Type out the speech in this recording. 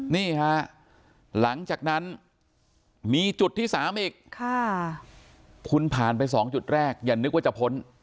นี่ฮะหลังจากนั้นมีจุดที่๓อีกคุณผ่านไป๒จุดแรกอย่านึกว่าจะพ้น